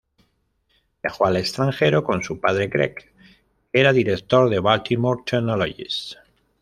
Viajó al extranjero con su padre Greg, que era director de Baltimore Technologies.